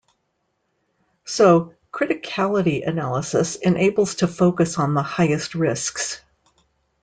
So, criticality analysis enables to focus on the highest risks.